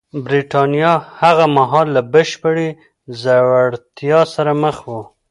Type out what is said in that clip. برېټانیا هغه مهال له بشپړې ځوړتیا سره مخ وه